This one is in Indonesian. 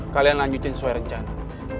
kalian lanjutin sesuai rencana